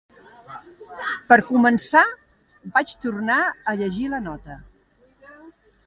Per començar, vaig tornar a llegir la nota.